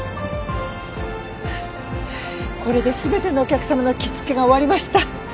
これで全てのお客さまの着付けが終わりました。